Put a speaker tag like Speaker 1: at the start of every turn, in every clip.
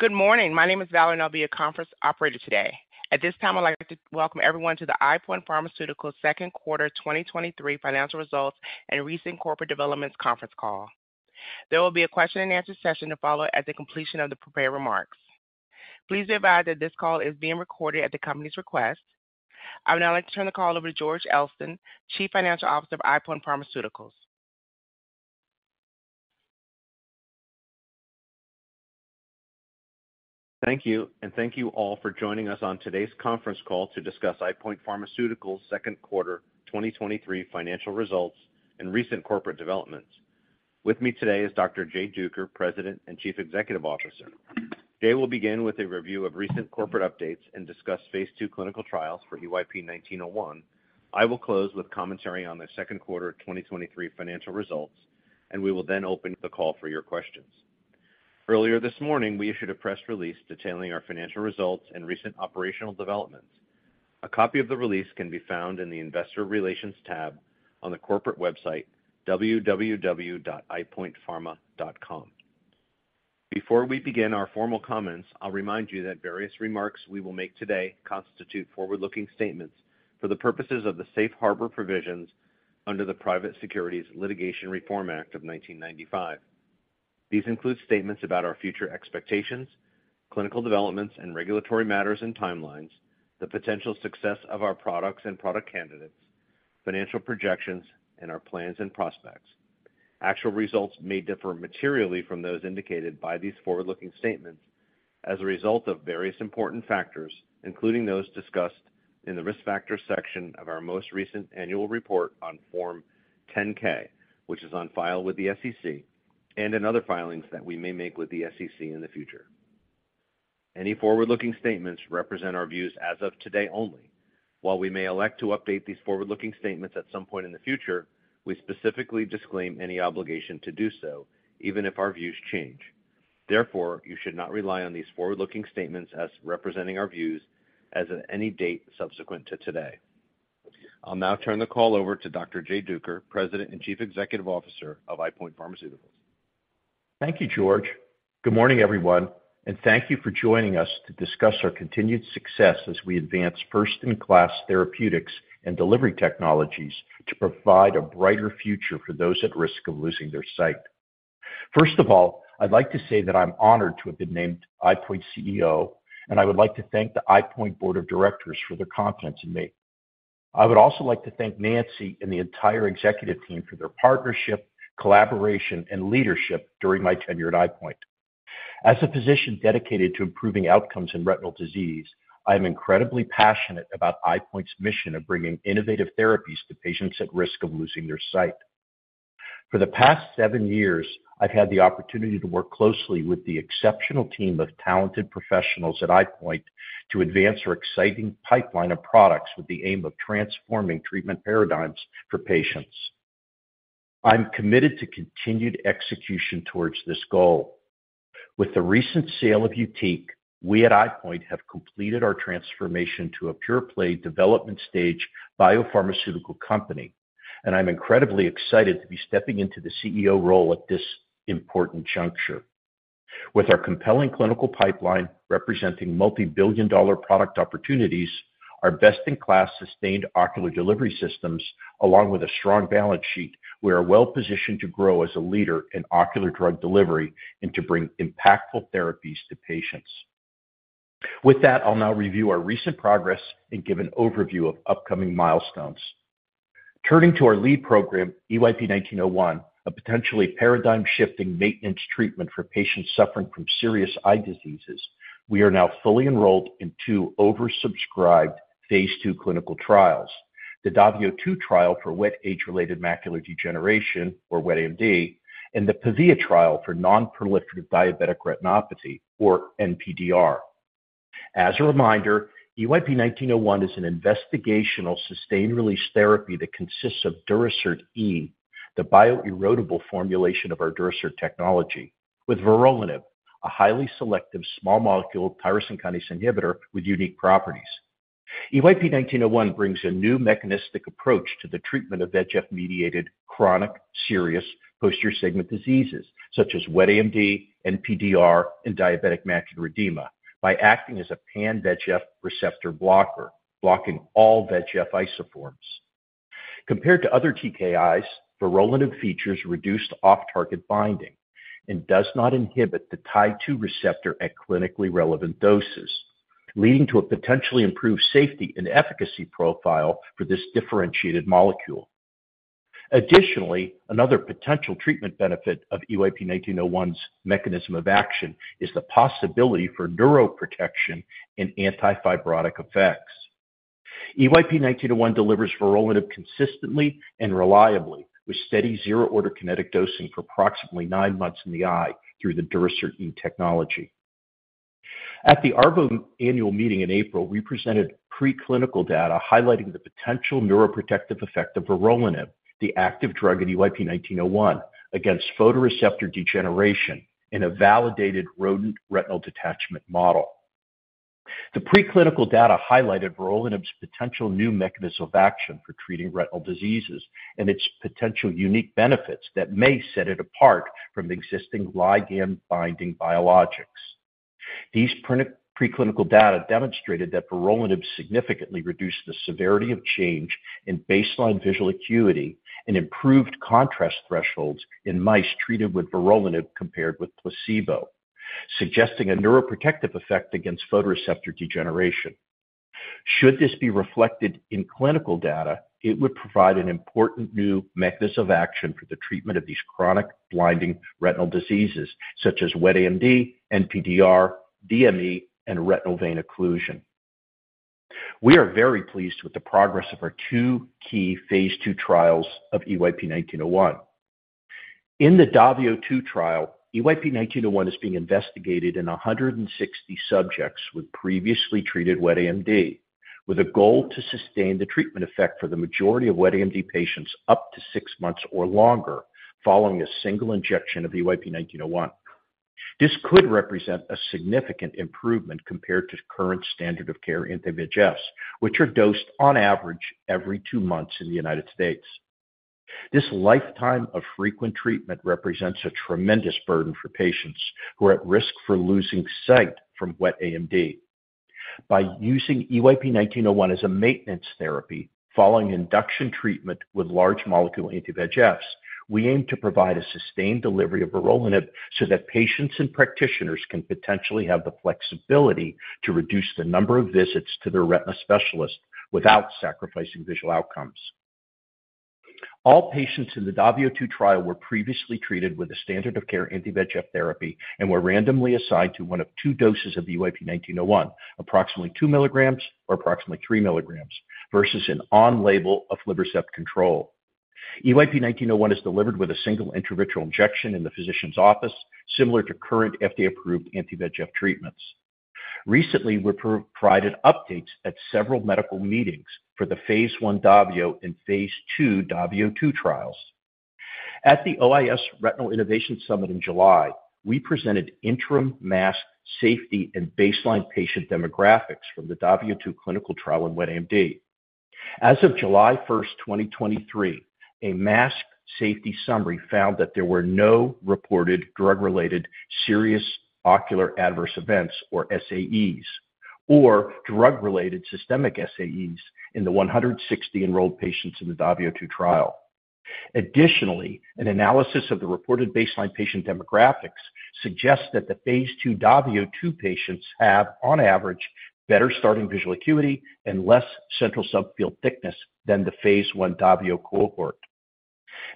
Speaker 1: Good morning. My name is Valerie, and I'll be your conference operator today. At this time, I'd like to welcome everyone to the EyePoint Pharmaceuticals Second Quarter 2023 Financial Results and Recent Corporate Developments conference call. There will be a question-and-answer session to follow at the completion of the prepared remarks. Please be advised that this call is being recorded at the company's request. I would now like to turn the call over to George Elston, Chief Financial Officer of EyePoint Pharmaceuticals.
Speaker 2: Thank you, and thank you all for joining us on today's conference call to discuss EyePoint Pharmaceuticals' second quarter 2023 financial results and recent corporate developments. With me today is Jay Duker, President and Chief Executive Officer. Jay will begin with a review of recent corporate updates and phase II clinical trials for EYP-1901. I will close with commentary on the second quarter 2023 financial results, and we will then open the call for your questions. Earlier this morning, we issued a press release detailing our financial results and recent operational developments. A copy of the release can be found in the Investor Relations tab on the corporate website, www.eyepointpharma.com. Before we begin our formal comments, I'll remind you that various remarks we will make today constitute forward-looking statements for the purposes of the Safe Harbor Provisions under the Private Securities Litigation Reform Act of 1995. These include statements about our future expectations, clinical developments and regulatory matters and timelines, the potential success of our products and product candidates, financial projections, and our plans and prospects. Actual results may differ materially from those indicated by these forward-looking statements as a result of various important factors, including those discussed in the Risk Factors section of our most recent annual report on Form 10-K, which is on file with the SEC, and in other filings that we may make with the SEC in the future. Any forward-looking statements represent our views as of today only. While we may elect to update these forward-looking statements at some point in the future, we specifically disclaim any obligation to do so, even if our views change. Therefore, you should not rely on these forward-looking statements as representing our views as of any date subsequent to today. I'll now turn the call over to Dr. Jay Duker, President and Chief Executive Officer of EyePoint Pharmaceuticals.
Speaker 3: Thank you, George. Good morning, everyone, and thank you for joining us to discuss our continued success as we advance first-in-class therapeutics and delivery technologies to provide a brighter future for those at risk of losing their sight. First of all, I'd like to say that I'm honored to have been named EyePoint's CEO, and I would like to thank the EyePoint Board of Directors for their confidence in me. I would also like to thank Nancy and the entire executive team for their partnership, collaboration, and leadership during my tenure at EyePoint. As a physician dedicated to improving outcomes in retinal disease, I am incredibly passionate about EyePoint's mission of bringing innovative therapies to patients at risk of losing their sight. For the past seven years, I've had the opportunity to work closely with the exceptional team of talented professionals at EyePoint to advance our exciting pipeline of products with the aim of transforming treatment paradigms for patients. I'm committed to continued execution towards this goal. With the recent sale of YUTIQ, we at EyePoint have completed our transformation to a pure-play development stage biopharmaceutical company, and I'm incredibly excited to be stepping into the CEO role at this important juncture. With our compelling clinical pipeline representing multi-billion dollar product opportunities, our best-in-class sustained ocular delivery systems, along with a strong balance sheet, we are well-positioned to grow as a leader in ocular drug delivery and to bring impactful therapies to patients. With that, I'll now review our recent progress and give an overview of upcoming milestones. Turning to our lead program, EYP-1901, a potentially paradigm-shifting maintenance treatment for patients suffering from serious eye diseases, we are now fully enrolled in two phase II clinical trials: the DAVIO 2 trial for wet age-related macular degeneration, or wet AMD, and the PAVIA trial for non-proliferative diabetic retinopathy, or NPDR. As a reminder, EYP-1901 is an investigational sustained-release therapy that consists of Durasert E, the bioerodible formulation of our Durasert technology, with vorolanib, a highly selective small molecule tyrosine kinase inhibitor with unique properties. EYP-1901 brings a new mechanistic approach to the treatment of VEGF-mediated chronic, serious posterior segment diseases such as wet AMD, NPDR, and diabetic macular edema by acting as a pan-VEGF receptor blocker, blocking all VEGF isoforms. Compared to other TKIs, vorolanib features reduced off-target binding and does not inhibit the TIE2 receptor at clinically relevant doses, leading to a potentially improved safety and efficacy profile for this differentiated molecule. Additionally, another potential treatment benefit of EYP-1901's mechanism of action is the possibility for neuroprotection and anti-fibrotic effects. EYP-1901 delivers vorolanib consistently and reliably, with steady zero-order kinetic dosing for approximately nine months in the eye through the Durasert E technology. At the ARVO Annual Meeting in April, we presented preclinical data highlighting the potential neuroprotective effect of vorolanib, the active drug in EYP-1901, against photoreceptor degeneration in a validated rodent retinal detachment model. The preclinical data highlighted vorolanib's potential new mechanism of action for treating retinal diseases and its potential unique benefits that may set it apart from the existing ligand-binding biologics. These preclinical data demonstrated that vorolanib significantly reduced the severity of change in baseline visual acuity and improved contrast thresholds in mice treated with vorolanib compared with placebo, suggesting a neuroprotective effect against photoreceptor degeneration. Should this be reflected in clinical data, it would provide an important new mechanism of action for the treatment of these chronic blinding retinal diseases, such as wet AMD, NPDR, DME, and retinal vein occlusion. We are very pleased with the progress of our two phase II trials of EYP-1901. In the DAVIO 2 trial, EYP-1901 is being investigated in 160 subjects with previously treated wet AMD, with a goal to sustain the treatment effect for the majority of wet AMD patients up to six months or longer following a single injection of EYP-1901. This could represent a significant improvement compared to current standard of care anti-VEGF, which are dosed on average every two months in the United States. This lifetime of frequent treatment represents a tremendous burden for patients who are at risk for losing sight from wet AMD. By using EYP-1901 as a maintenance therapy following induction treatment with large molecule anti-VEGF, we aim to provide a sustained delivery of vorolanib so that patients and practitioners can potentially have the flexibility to reduce the number of visits to their retina specialist without sacrificing visual outcomes. All patients in the DAVIO 2 trial were previously treated with a standard-of-care anti-VEGF therapy and were randomly assigned to one of two doses of EYP-1901, approximately 2 mg or approximately 3 mg, versus an on-label aflibercept control. EYP-1901 is delivered with a single intravitreal injection in the physician's office, similar to current FDA-approved anti-VEGF treatments. Recently, we provided updates at several medical meetings for the phase I DAVIO phase II DAVIO 2 trials. At the OIS Retina Innovation Summit in July, we presented interim mask, safety, and baseline patient demographics from the DAVIO 2 clinical trial in wet AMD. As of July 1st, 2023, a mask safety summary found that there were no reported drug-related serious ocular adverse events or SAEs, or drug-related systemic SAEs in the 160 enrolled patients in the DAVIO 2 trial. Additionally, an analysis of the reported baseline patient demographics suggests that phase II DAVIO 2 patients have, on average, better starting visual acuity and less central subfield thickness than the phase I DAVIO cohort.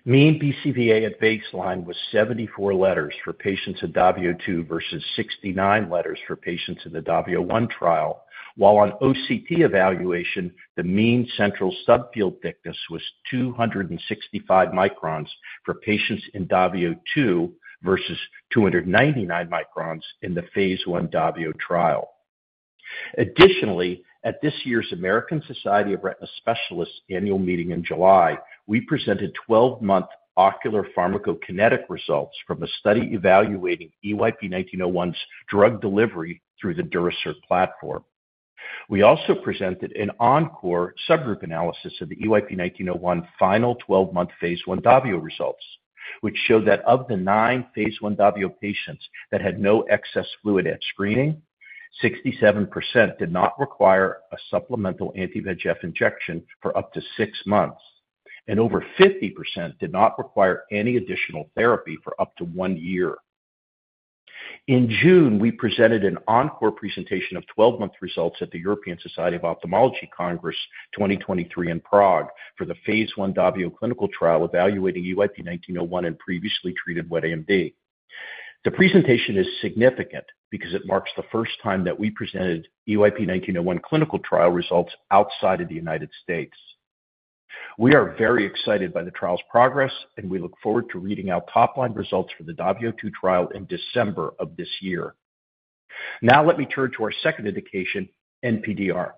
Speaker 3: Mean BCVA at baseline was 74 letters for patients in DAVIO 2 versus 69 letters for patients in the DAVIO 1 trial, while on OCT evaluation, the mean central subfield thickness was 265 microns for patients in DAVIO 2 versus 299 microns in the phase I DAVIO trial. Additionally, at this year's American Society of Retina Specialists annual meeting in July, we presented 12-month ocular pharmacokinetic results from a study evaluating EYP-1901's drug delivery through the Durasert platform. We also presented an encore subgroup analysis of the EYP-1901 final 12-month phase I DAVIO results, which showed that of the nine phase I DAVIO patients that had no excess fluid at screening, 67% did not require a supplemental anti-VEGF injection for up to six months, and over 50% did not require any additional therapy for up to one year. In June, we presented an encore presentation of 12-month results at the European Society of Ophthalmology Congress 2023 in Prague for the phase I DAVIO clinical trial evaluating EYP-1901 in previously treated wet AMD. The presentation is significant because it marks the first time that we presented EYP-1901 clinical trial results outside of the United States. We are very excited by the trial's progress, and we look forward to reading our top-line results for the DAVIO 2 trial in December of this year. Let me turn to our second indication, NPDR.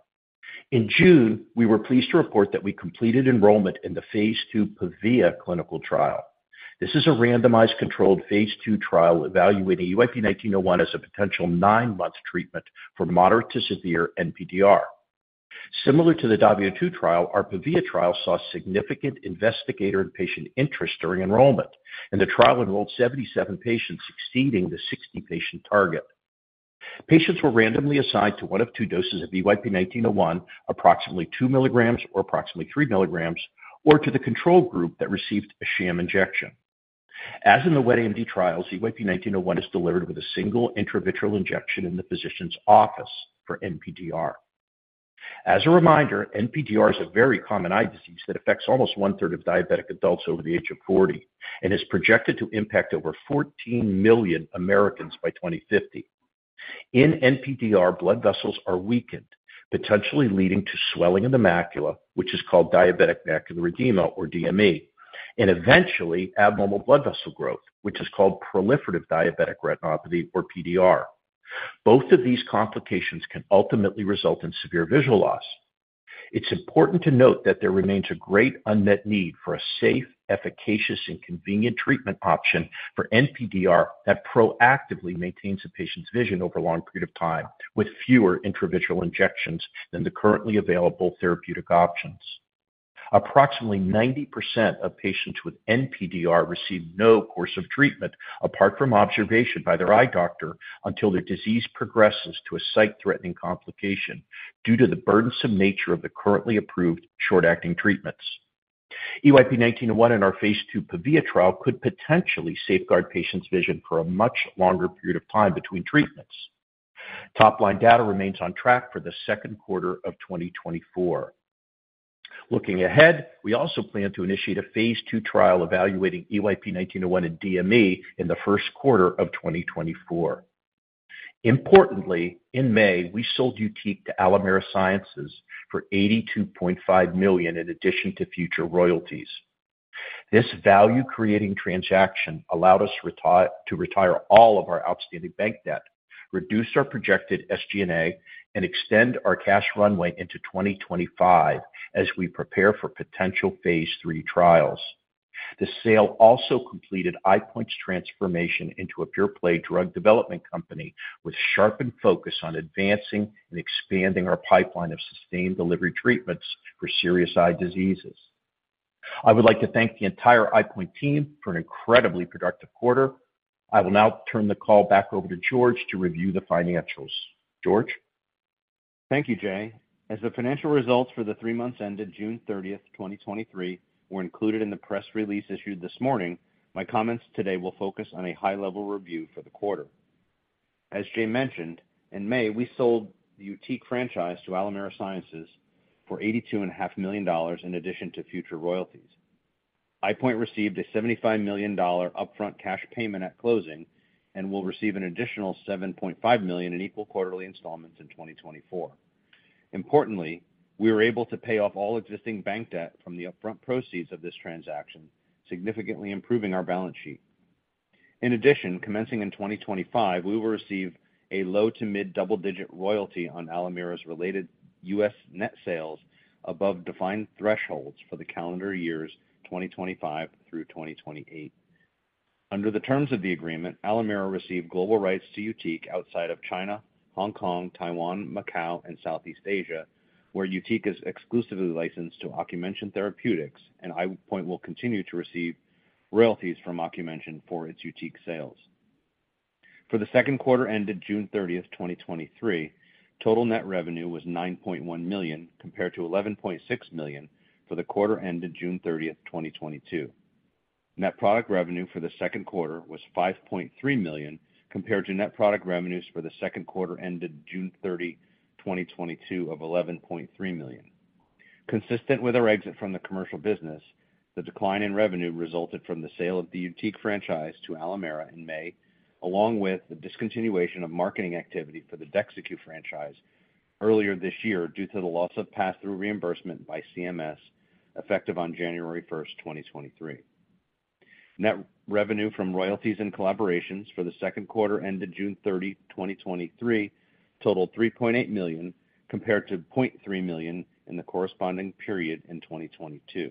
Speaker 3: In June, we were pleased to report that we completed enrollment in phase ii PAVIA clinical trial. This is a randomized, phase II trial evaluating EYP-1901 as a potential nine month treatment for moderate to severe NPDR. Similar to the DAVIO 2 trial, our PAVIA trial saw significant investigator and patient interest during enrollment, and the trial enrolled 77 patients, exceeding the 60-patient target. Patients were randomly assigned to one of two doses of EYP-1901, approximately two mg or approximately three mg, or to the control group that received a sham injection. As in the wet AMD trials, EYP-1901 is delivered with a single intravitreal injection in the physician's office for NPDR. As a reminder, NPDR is a very common eye disease that affects almost 1/3 of diabetic adults over the age of 40 and is projected to impact over 14 million Americans by 2050. In NPDR, blood vessels are weakened, potentially leading to swelling in the macula, which is called diabetic macular edema or DME, and eventually abnormal blood vessel growth, which is called proliferative diabetic retinopathy or PDR. Both of these complications can ultimately result in severe visual loss. It's important to note that there remains a great unmet need for a safe, efficacious, and convenient treatment option for NPDR that proactively maintains a patient's vision over a long period of time, with fewer intravitreal injections than the currently available therapeutic options. Approximately 90% of patients with NPDR receive no course of treatment apart from observation by their eye doctor until their disease progresses to a sight-threatening complication due to the burdensome nature of the currently approved short-acting treatments. EYP-1901 in phase II pavia trial could potentially safeguard patients' vision for a much longer period of time between treatments. Top-line data remains on track for the second quarter of 2024. Looking ahead, we also plan to initiate phase II trial evaluating EYP-1901 in DME in the first quarter of 2024. Importantly, in May, we sold YUTIQ to Alimera Sciences for $82.5 million, in addition to future royalties. This value-creating transaction allowed us to retire all of our outstanding bank debt, reduce our projected SG&A, and extend our cash runway into 2025 as we prepare phase III trials. the sale also completed EyePoint's transformation into a pure-play drug development company with sharpened focus on advancing and expanding our pipeline of sustained delivery treatments for serious eye diseases. I would like to thank the entire EyePoint team for an incredibly productive quarter. I will now turn the call back over to George to review the financials. George?
Speaker 2: Thank you, Jay. As the financial results for the three months ended June 30th, 2023, were included in the press release issued this morning, my comments today will focus on a high-level review for the quarter. As Jay mentioned, in May, we sold the YUTIQ franchise to Alimera Sciences for $82.5 million in addition to future royalties. EyePoint received a $75 million upfront cash payment at closing and will receive an additional $7.5 million in equal quarterly installments in 2024. Importantly, we were able to pay off all existing bank debt from the upfront proceeds of this transaction, significantly improving our balance sheet. In addition, commencing in 2025, we will receive a low to mid-double-digit royalty on Alimera's related U.S. net sales above defined thresholds for the calendar years 2025 through 2028. Under the terms of the agreement, Alimera received global rights to YUTIQ outside of China, Hong Kong, Taiwan, Macau, and Southeast Asia, where YUTIQ is exclusively licensed to Ocumension Therapeutics, and EyePoint will continue to receive royalties from Ocumension for its YUTIQ sales. For the second quarter ended June 30, 2023, total net revenue was $9.1 million, compared to $11.6 million for the quarter ended June 30, 2022. Net product revenue for the second quarter was $5.3 million, compared to net product revenues for the second quarter ended June 30, 2022, of $11.3 million. Consistent with our exit from the commercial business, the decline in revenue resulted from the sale of the YUTIQ franchise to Alimera in May, along with the discontinuation of marketing activity for the DEXYCU franchise earlier this year, due to the loss of passthrough reimbursement by CMS, effective on January 1, 2023. Net revenue from royalties and collaborations for the second quarter ended June 30, 2023, totaled $3.8 million, compared to $0.3 million in the corresponding period in 2022.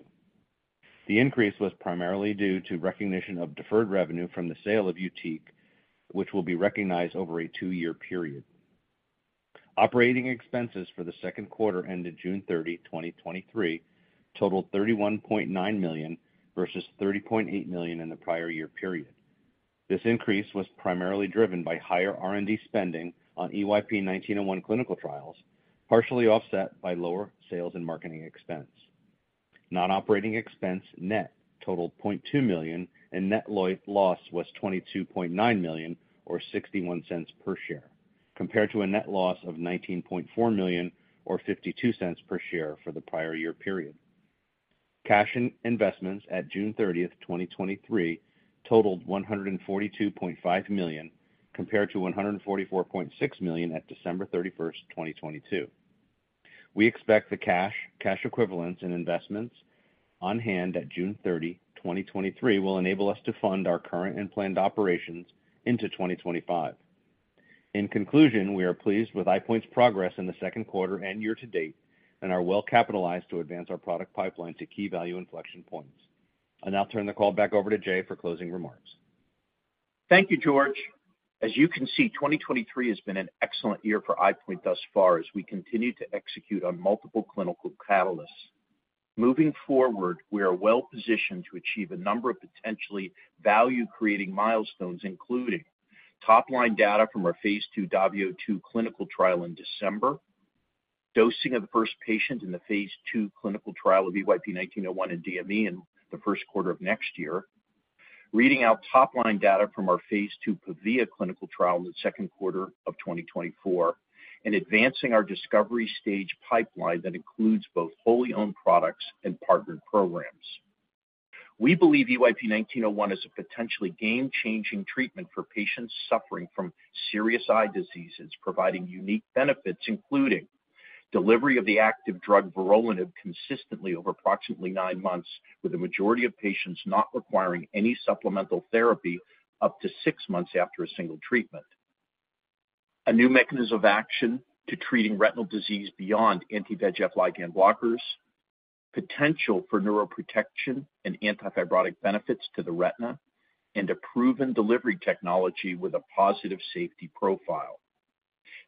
Speaker 2: The increase was primarily due to recognition of deferred revenue from the sale of YUTIQ, which will be recognized over a two-year period. Operating expenses for the second quarter ended June 30, 2023, totaled $31.9 million versus $30.8 million in the prior year period. This increase was primarily driven by higher R&D spending on EYP-1901 clinical trials, partially offset by lower sales and marketing expense. Non-operating expense net totaled $0.2 million, and net loss was $22.9 million, or $0.61 per share, compared to a net loss of $19.4 million, or $0.52 per share for the prior year period. Cash and investments at June 30, 2023, totaled $142.5 million, compared to $144.6 million at December 31, 2022. We expect the cash, cash equivalents, and investments on hand at June 30, 2023, will enable us to fund our current and planned operations into 2025. In conclusion, we are pleased with EyePoint's progress in the second quarter and year to date and are well-capitalized to advance our product pipeline to key value inflection points. I'll now turn the call back over to Jay for closing remarks.
Speaker 3: Thank you, George. As you can see, 2023 has been an excellent year for EyePoint thus far, as we continue to execute on multiple clinical catalysts. Moving forward, we are well positioned to achieve a number of potentially value-creating milestones, including top-line data from phase II DAVIO 2 clinical trial in December, dosing of the first patient in phase II clinical trial of EYP-1901 in DME in the first quarter of next year, reading out top-line data from phase ii PAVIA clinical trial in the second quarter of 2024, and advancing our discovery stage pipeline that includes both wholly owned products and partnered programs. We believe EYP-1901 is a potentially game-changing treatment for patients suffering from serious eye diseases, providing unique benefits, including delivery of the active drug vorolanib, consistently over approximately nine months, with the majority of patients not requiring any supplemental therapy up to six months after a single treatment. A new mechanism of action to treating retinal disease beyond anti-VEGF ligand blockers, potential for neuroprotection and antifibrotic benefits to the retina, and a proven delivery technology with a positive safety profile.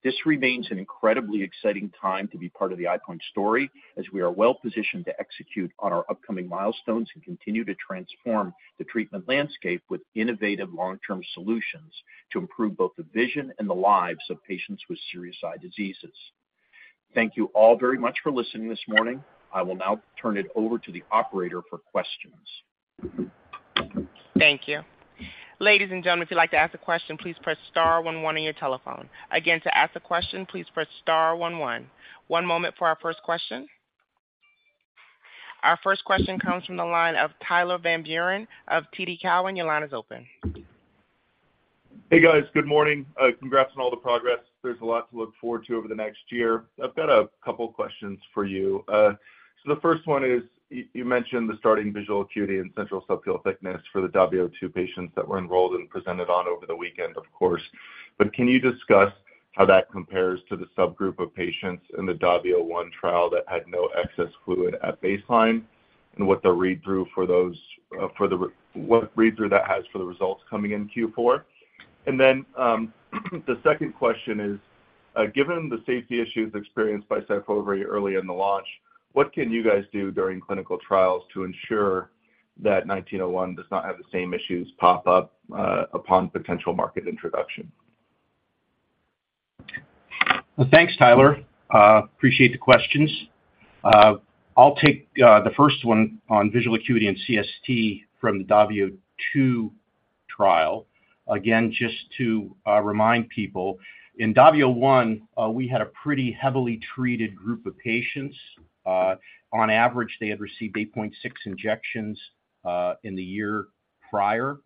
Speaker 3: This remains an incredibly exciting time to be part of the EyePoint story, as we are well positioned to execute on our upcoming milestones and continue to transform the treatment landscape with innovative long-term solutions to improve both the vision and the lives of patients with serious eye diseases. Thank you all very much for listening this morning. I will now turn it over to the operator for questions.
Speaker 1: Thank you. Ladies and gentlemen, if you'd like to ask a question, please press star one one on your telephone. Again, to ask a question, please press star one one. One moment for our first question. Our first question comes from the line of Tyler Van Buren of TD Cowen. Your line is open.
Speaker 4: Hey, guys. Good morning. Congrats on all the progress. There's a lot to look forward to over the next year. I've got a couple questions for you. The first one is, you, you mentioned the starting visual acuity and central subfield thickness for the DAVIO 2 patients that were enrolled and presented on over the weekend, of course. Can you discuss how that compares to the subgroup of patients in the DAVIO 1 trial that had no excess fluid at baseline, and what the read-through for those, what read-through that has for the results coming in Q4? The second question is, given the safety issues experienced by Syfovre early in the launch, what can you guys do during clinical trials to ensure that 1901 does not have the same issues pop up upon potential market introduction?
Speaker 3: Well, thanks, Tyler. Appreciate the questions. I'll take the first one on visual acuity and CST from the DAVIO 2 trial. Again, just to remind people, in DAVIO 1, we had a pretty heavily treated group of patients. On average, they had received 8.6 injections in the year prior.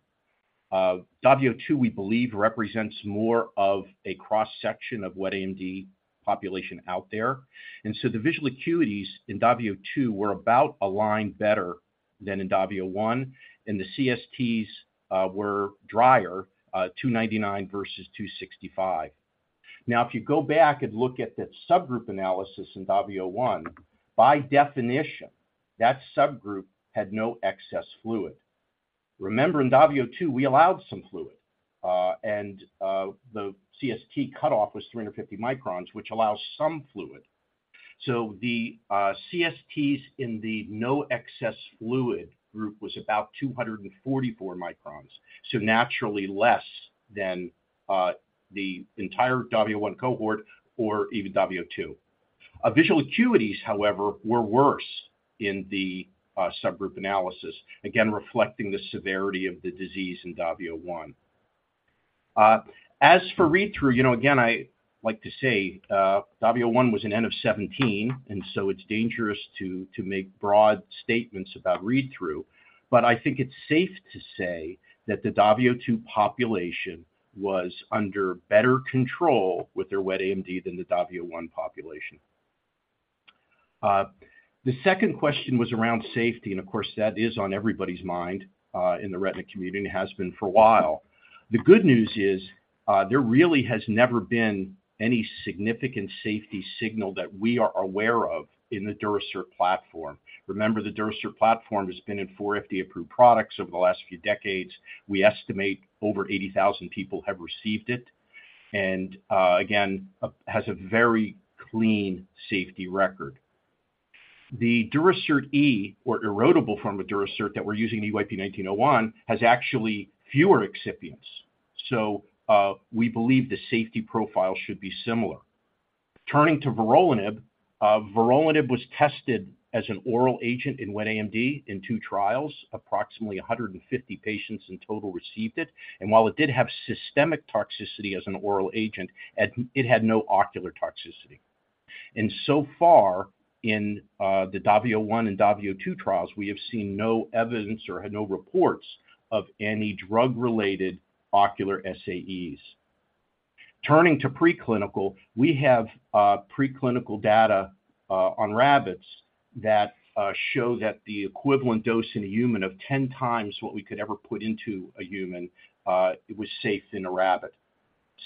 Speaker 3: DAVIO 2, we believe, represents more of a cross-section of wet AMD population out there. The visual acuities in DAVIO 2 were about a line better than in DAVIO 1, and the CSTs were drier, 299 versus 265. If you go back and look at that subgroup analysis in DAVIO 1, by definition, that subgroup had no excess fluid. Remember, in DAVIO 2, we allowed some fluid, and the CST cutoff was 350 microns, which allows some fluid. The CSTs in the no excess fluid group was about 244 microns, naturally less than the entire DAVIO 1 cohort or even DAVIO 2. Visual acuities, however, were worse in the subgroup analysis, again, reflecting the severity of the disease in DAVIO 1. As for read-through, you know, again, I like to say, DAVIO 1 was an N of 17, it's dangerous to make broad statements about read-through. I think it's safe to say that the DAVIO 2 population was under better control with their wet AMD than the DAVIO 1 population. The second question was around safety, and of course, that is on everybody's mind in the retina community and has been for a while. The good news is, there really has never been any significant safety signal that we are aware of in the Durasert platform. Remember, the Durasert platform has been in four FDA-approved products over the last few decades. We estimate over 80,000 people have received it, and, again, has a very clean safety record. The Durasert E, or erodible form of Durasert that we're using EYP-1901, has actually fewer excipients, so, we believe the safety profile should be similar. Turning to vorolanib, vorolanib was tested as an oral agent in wet AMD in two trials. Approximately 150 patients in total received it. While it did have systemic toxicity as an oral agent, it, it had no ocular toxicity. So far, in the DAVIO 1 and DAVIO 2 trials, we have seen no evidence or had no reports of any drug-related ocular SAEs. Turning to preclinical, we have preclinical data on rabbits that show that the equivalent dose in a human of 10x what we could ever put into a human, it was safe in a rabbit.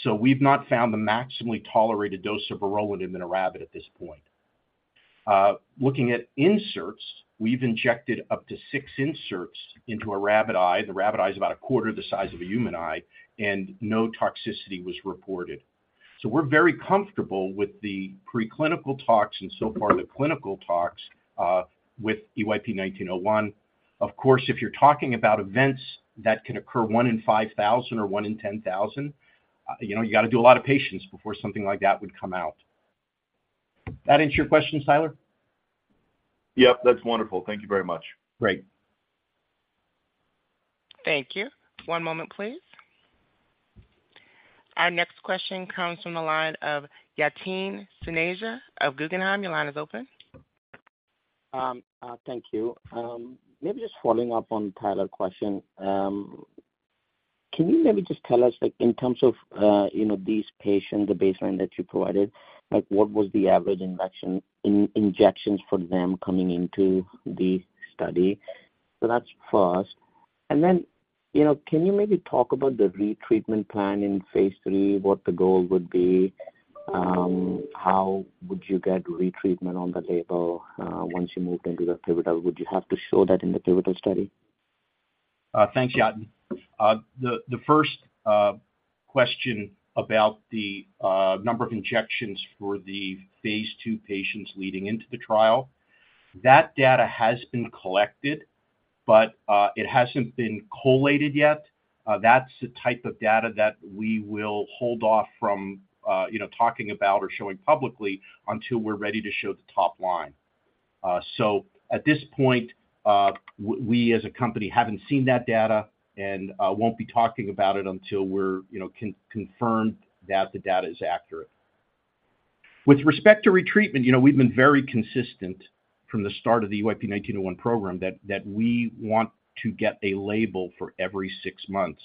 Speaker 3: We've not found the maximally tolerated dose of vorolanib in a rabbit at this point. Looking at inserts, we've injected up to 6 inserts into a rabbit eye. The rabbit eye is about a quarter of the size of a human eye, and no toxicity was reported. We're very comfortable with the preclinical tox and so far the clinical tox with EYP-1901. Of course, if you're talking about events that can occur 1 in 5,000 or 1 in 10,000, you know, you got to do a lot of patients before something like that would come out. That answer your question, Tyler?
Speaker 4: Yep, that's wonderful. Thank you very much.
Speaker 3: Great.
Speaker 1: Thank you. One moment, please. Our next question comes from the line of Yatin Suneja of Guggenheim. Your line is open.
Speaker 5: Thank you. Maybe just following up on Tyler's question. Can you maybe just tell us, like, in terms of, you know, these patients, the baseline that you provided, like, what was the average injection- in- injections for them coming into the study? So that's first. Then, you know, can you maybe talk about the retreatment phase III, what the goal would be? How would you get retreatment on the label, once you moved into the pivotal? Would you have to show that in the pivotal study?
Speaker 3: Thanks, Yatin. The first question about the number of injections for phase II patients leading into the trial, that data has been collected, but it hasn't been collated yet. That's the type of data that we will hold off from, you know, talking about or showing publicly until we're ready to show the top line. At this point, we as a company haven't seen that data and won't be talking about it until we're, you know, confirmed that the data is accurate. With respect to retreatment, you know, we've been very consistent from the start of the EYP-1901 program that we want to get a label for every six months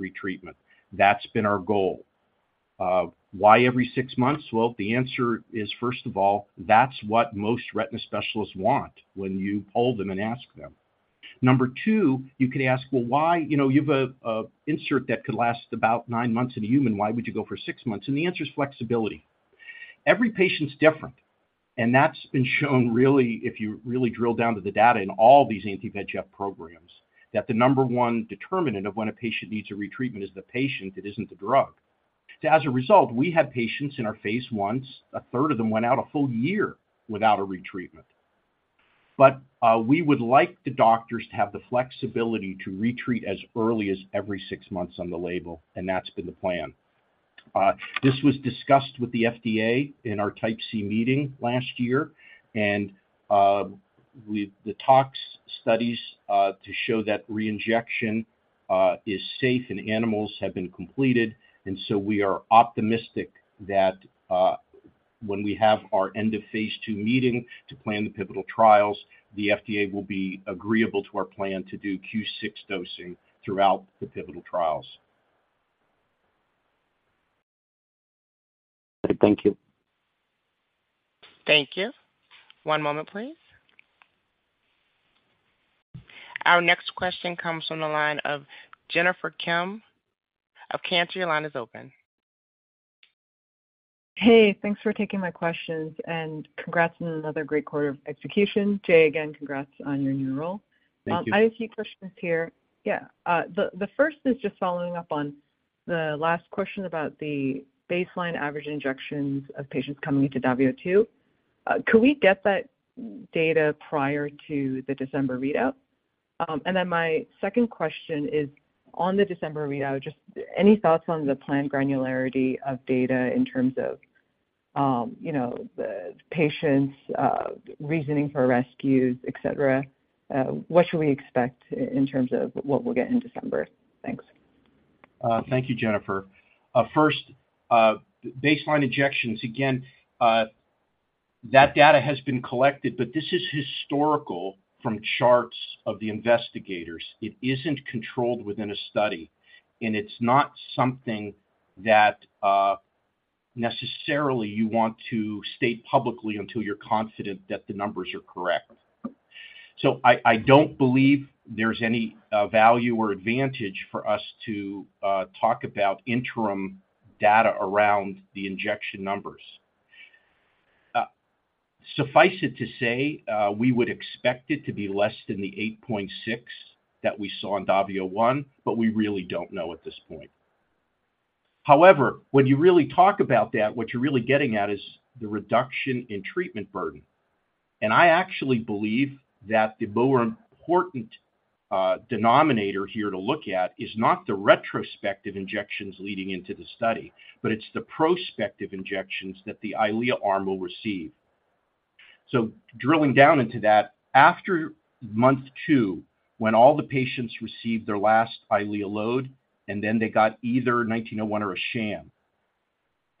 Speaker 3: retreatment. That's been our goal. Why every six months? Well, the answer is, first of all, that's what most retina specialists want when you poll them and ask them. Number two, you could ask, well, why, you know, you have a insert that could last about nine months in a human, why would you go for six months? The answer is flexibility. Every patient's different, and that's been shown really, if you really drill down to the data in all these anti-VEGF programs, that the number one determinant of when a patient needs a retreatment is the patient, it isn't the drug. As a result, we had patients in our phase I, a third of them went out one full year without a retreatment. We would like the doctors to have the flexibility to retreat as early as every six months on the label, and that's been the plan. This was discussed with the FDA in our Type C meeting last year. We-- the tox studies to show that reinjection is safe in animals have been completed. We are optimistic that when we have our end phase II meeting to plan the pivotal trials, the FDA will be agreeable to our plan to do Q6 dosing throughout the pivotal trials.
Speaker 5: Thank you.
Speaker 1: Thank you. One moment, please. Our next question comes from the line of Jennifer Kim of Cantor. Your line is open.
Speaker 6: Hey, thanks for taking my questions, and congrats on another great quarter of execution. Jay, again, congrats on your new role.
Speaker 3: Thank you.
Speaker 6: I have a few questions here. Yeah, the first is just following up on the last question about the baseline average injections of patients coming into DAVIO 2. Could we get that data prior to the December readout? My second question is, on the December readout, just any thoughts on the planned granularity of data in terms of, you know, the patients, reasoning for rescues, et cetera? What should we expect in terms of what we'll get in December? Thanks.
Speaker 3: Thank you, Jennifer. First, baseline injections. Again, that data has been collected, but this is historical from charts of the investigators. It isn't controlled within a study, and it's not something that necessarily you want to state publicly until you're confident that the numbers are correct. I, I don't believe there's any value or advantage for us to talk about interim data around the injection numbers. Suffice it to say, we would expect it to be less than the eight point six that we saw in DAVIO 1, but we really don't know at this point. However, when you really talk about that, what you're really getting at is the reduction in treatment burden. I actually believe that the more important denominator here to look at is not the retrospective injections leading into the study, but it's the prospective injections that the Eylea arm will receive. Drilling down into that, after month two, when all the patients received their last Eylea load, and then they got either EYP-1901 or a sham,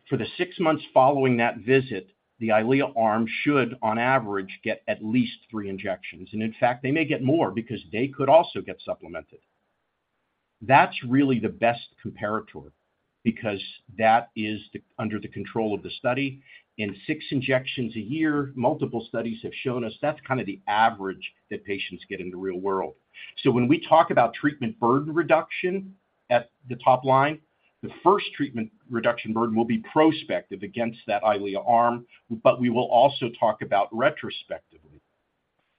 Speaker 3: for the six months following that visit, the Eylea arm should, on average, get at least three injections. In fact, they may get more because they could also get supplemented. That's really the best comparator because that is the, under the control of the study. Six injections a year, multiple studies have shown us that's kind of the average that patients get in the real world. When we talk about treatment burden reduction at the top line, the first treatment reduction burden will be prospective against that Eylea arm, but we will also talk about retrospectively.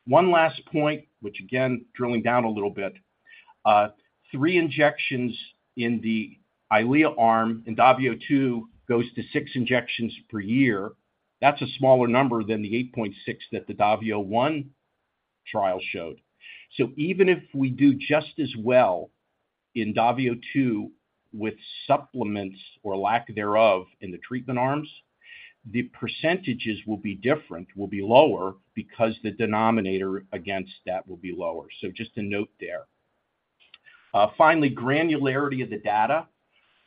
Speaker 3: One last point, which, again, drilling down a little bit, three injections in the Eylea arm in DAVIO 2 goes to six injections per year. That's a smaller number than the eight point six that the DAVIO 1 trial showed. Even if we do just as well in DAVIO 2 with supplements or lack thereof in the treatment arms, the percentages will be different, will be lower, because the denominator against that will be lower. Just a note there. Finally, granularity of the data.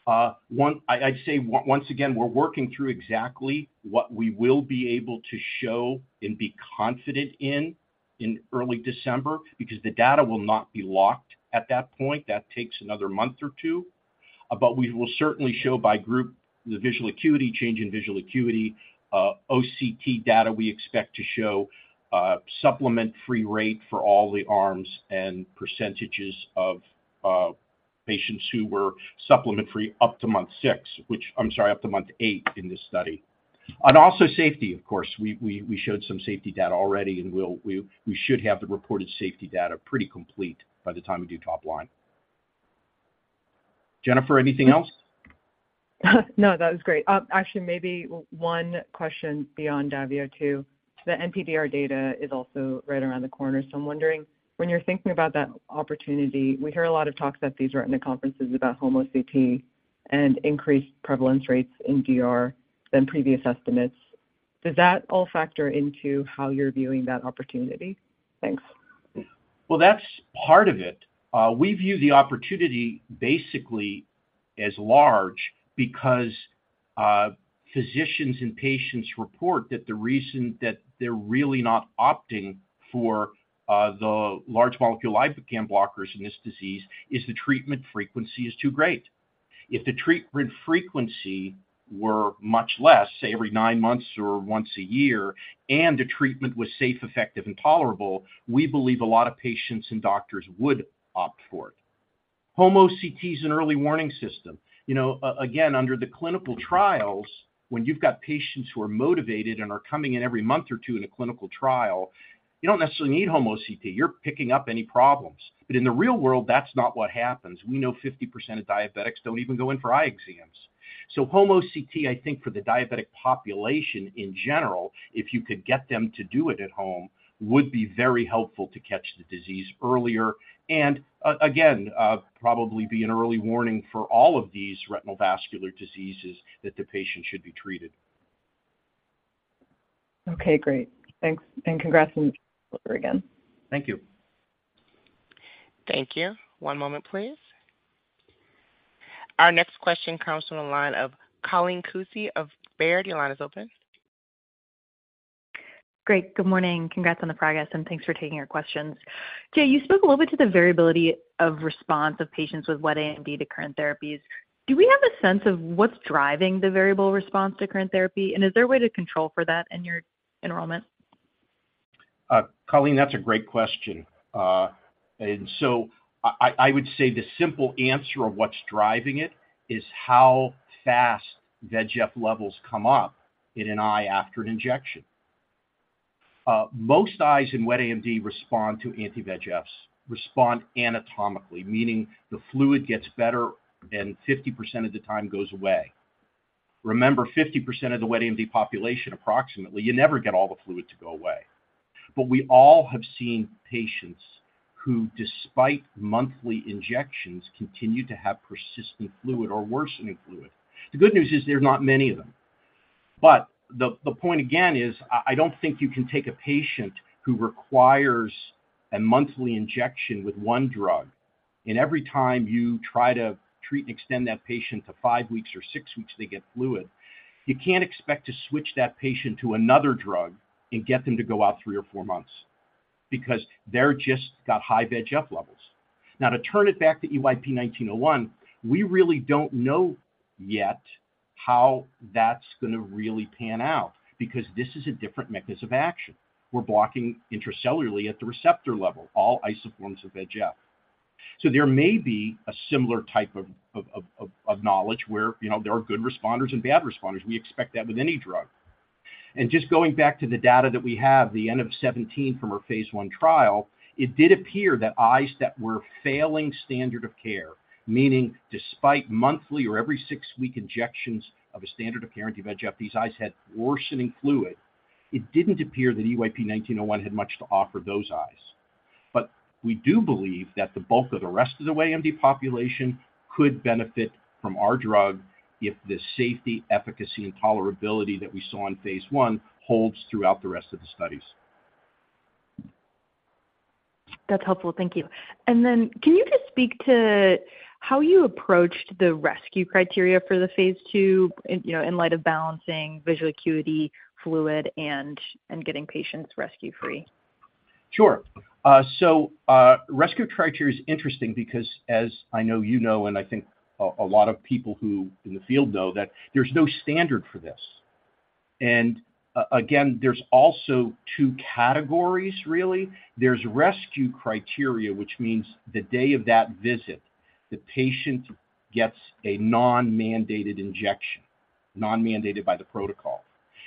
Speaker 3: I'd say once again, we're working through exactly what we will be able to show and be confident in in early December, because the data will not be locked at that point. That takes another one or two months. We will certainly show by group the visual acuity, change in visual acuity, OCT data we expect to show, supplement-free rate for all the arms and percentages of patients who were supplement-free up to month six, which, I'm sorry, up to month eight in this study. Also safety, of course. We showed some safety data already, and we'll should have the reported safety data pretty complete by the time we do top line. Jennifer, anything else?
Speaker 6: No, that was great. Actually, maybe one question beyond DAVIO 2. The NPDR data is also right around the corner, so I'm wondering, when you're thinking about that opportunity, we hear a lot of talks at these retina conferences about home OCT and increased prevalence rates in DR than previous estimates. Does that all factor into how you're viewing that opportunity? Thanks.
Speaker 3: Well, that's part of it. We view the opportunity basically as large because physicians and patients report that the reason that they're really not opting for the large molecule ligand blockers in this disease is the treatment frequency is too great. If the treatment frequency were much less, say, every nine months or once a year, and the treatment was safe, effective, and tolerable, we believe a lot of patients and doctors would opt for it. Home OCT is an early warning system. You know, again, under the clinical trials, when you've got patients who are motivated and are coming in every month or two in a clinical trial, you don't necessarily need home OCT. You're picking up any problems. But in the real world, that's not what happens. We know 50% of diabetics don't even go in for eye exams. home OCT, I think, for the diabetic population in general, if you could get them to do it at home, would be very helpful to catch the disease earlier and again, probably be an early warning for all of these retinal vascular diseases that the patient should be treated.
Speaker 6: Okay, great. Thanks, and congrats on again.
Speaker 3: Thank you.
Speaker 1: Thank you. One moment, please. Our next question comes from the line of Colleen Kusy of Baird. Your line is open.
Speaker 7: Great, good morning. Congrats on the progress, and thanks for taking our questions. Jay, you spoke a little bit to the variability of response of patients with wet AMD to current therapies. Do we have a sense of what's driving the variable response to current therapy, and is there a way to control for that in your enrollment?
Speaker 3: Colleen, that's a great question. I, I, I would say the simple answer of what's driving it is how fast VEGF levels come up in an eye after an injection. Most eyes in wet AMD respond to anti-VEGFs, respond anatomically, meaning the fluid gets better and 50% of the time goes away. Remember, 50% of the wet AMD population, approximately, you never get all the fluid to go away. We all have seen patients who, despite monthly injections, continue to have persistent fluid or worsening fluid. The good news is there are not many of them. The, the point again is, I, I don't think you can take a patient who requires a monthly injection with one drug, and every time you try to treat and extend that patient to five weeks or six weeks, they get fluid. You can't expect to switch that patient to another drug and get them to go out three or four months because they're just got high VEGF levels. To turn it back to EYP-1901, we really don't know yet how that's gonna really pan out because this is a different mechanism of action. We're blocking intracellularly at the receptor level, all isoforms of VEGF. There may be a similar type of knowledge where, you know, there are good responders and bad responders. We expect that with any drug. Just going back to the data that we have, the end of 17 from our phase I trial, it did appear that eyes that were failing standard of care, meaning despite monthly or every six-week injections of a standard of care anti-VEGF, these eyes had worsening fluid. It didn't appear that EYP-1901 had much to offer those eyes. We do believe that the bulk of the rest of the AMD population could benefit from our drug if the safety, efficacy, and tolerability that we saw in phase I holds throughout the rest of the studies.
Speaker 7: That's helpful. Thank you. Then, can you just speak to how you approached the rescue criteria for phase II, in, you know, in light of balancing visual acuity, fluid, and, and getting patients rescue-free?
Speaker 3: Sure. So, rescue criteria is interesting because as I know you know, and I think a lot of people who in the field know, that there's no standard for this. Again, there's also two categories, really. There's rescue criteria, which means the day of that visit, the patient gets a non-mandated injection, non-mandated by the protocol.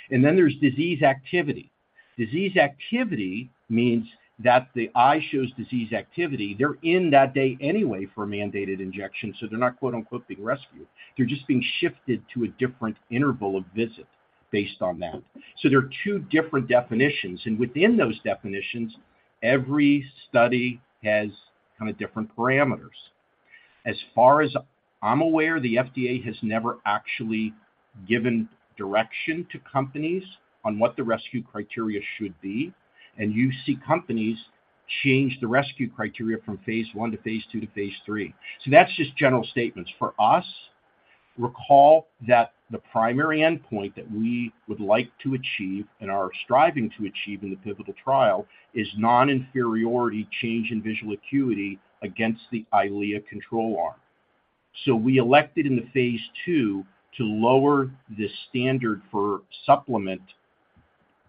Speaker 3: Then there's disease activity. Disease activity means that the eye shows disease activity. They're in that day anyway for a mandated injection, so they're not, quote-unquote, "being rescued." They're just being shifted to a different interval of visit based on that. So there are two different definitions, and within those definitions, every study has kind of different parameters. As far as I'm aware, the FDA has never actually given direction to companies on what the rescue criteria should be. You see companies change the rescue criteria from phase I to phase II phase III. that's just general statements. Recall that the primary endpoint that we would like to achieve and are striving to achieve in the pivotal trial is non-inferiority change in visual acuity against the Eylea control arm. We elected in the phase II to lower the standard for supplement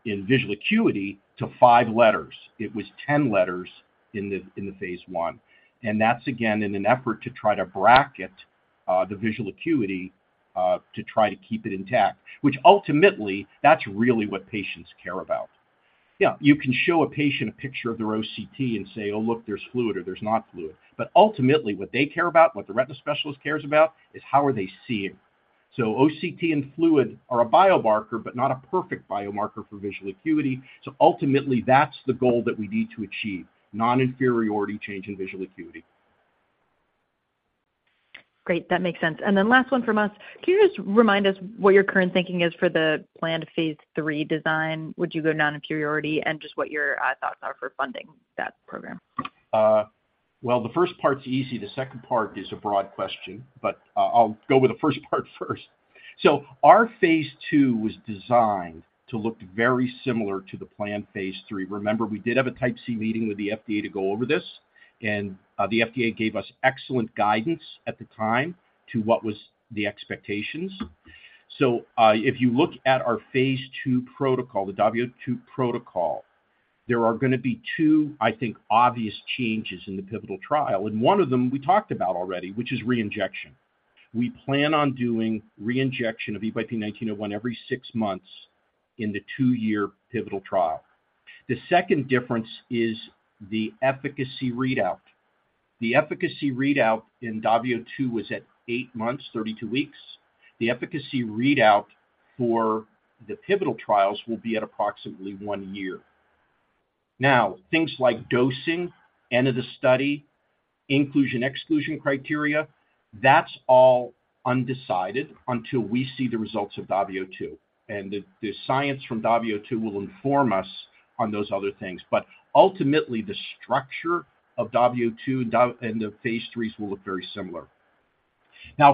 Speaker 3: in visual acuity to five letters. It was 10 letters in the, in the phase I, and that's again, in an effort to try to bracket the visual acuity to try to keep it intact, which ultimately, that's really what patients care about. Yeah, you can show a patient a picture of their OCT and say, "Oh, look, there's fluid or there's not fluid." Ultimately, what they care about, what the retina specialist cares about is how are they seeing. OCT and fluid are a biomarker, but not a perfect biomarker for visual acuity. Ultimately, that's the goal that we need to achieve, non-inferiority change in visual acuity.
Speaker 7: Great, that makes sense. Then last one from us. Can you just remind us what your current thinking is for phase III design? would you go non-inferiority, and just what your thoughts are for funding that program?
Speaker 3: Well, the first part's easy. The second part is a broad question, but I'll go with the first part first. phase II was designed to look very similar to phase III. remember, we did have a Type C meeting with the FDA to go over this, and the FDA gave us excellent guidance at the time to what was the expectations. If you look at phase II protocol, the DAVIO 2 protocol, there are going to be two obvious changes in the pivotal trial, and one of them we talked about already, which is reinjection. We plan on doing reinjection of EYP-1901 every six months in the two year pivotal trial. The second difference is the efficacy readout. The efficacy readout in DAVIO 2 was at eight months, 32 weeks. The efficacy readout for the pivotal trials will be at approximately one year. Things like dosing, end of the study, inclusion, exclusion criteria, that's all undecided until we see the results of W-two, and the, the science from W-two will inform us on those other things. Ultimately, the structure of W-two and the, phase III will look very similar.